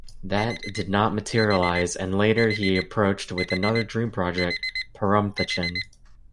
That did not materialise and later he approached with another dream project "Perumthachan".